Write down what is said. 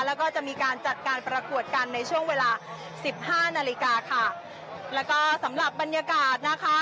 แล้วก็จะมีการจัดการประกวดกันในช่วงเวลาสิบห้านาฬิกาค่ะแล้วก็สำหรับบรรยากาศนะคะ